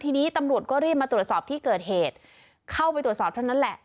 ทีนี้ตำรวจก็รีบมาตรวจสอบที่เกิดเหตุเข้าไปตรวจสอบเท่านั้นแหละ